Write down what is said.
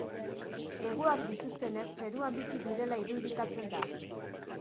Hegoak dituztenez zeruan bizi direla irudikatzen da.